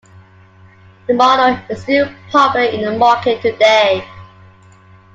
The model is still popular in the market today.